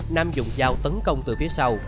nam dùng dao tấn công từ phía sau